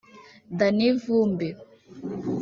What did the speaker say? Danny Vumbi